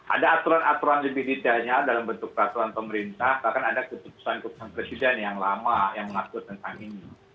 ada aturan aturan lebih detailnya dalam bentuk peraturan pemerintah bahkan ada keputusan keputusan presiden yang lama yang mengatur tentang ini